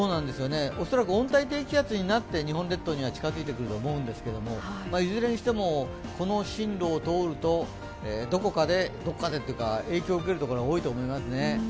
恐らく温帯低気圧になって日本列島には近づいてくると思うんですけれども、いずれにしても、この進路を通ると、どこか影響を受けるところが多いと思いますね。